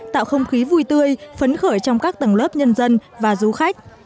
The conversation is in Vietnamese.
tạo không khí vui tươi phấn khởi trong các tầng lớp nhân dân và du khách